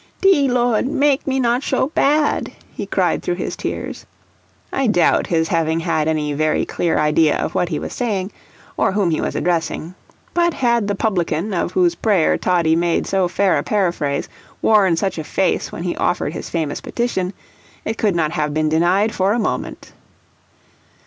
"Dee Lord, not make me sho bad," he cried through his tears. I doubt his having had any very clear idea of what he was saying, or whom he was addressing; but had the publican of whose prayer Toddie made so fair a paraphrase worn such a face when he offered his famous petition, it could not have been denied for a moment.